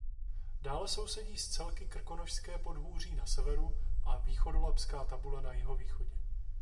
Dále sousedí s celky Krkonošské podhůří na severu a Východolabská tabule na jihovýchodě.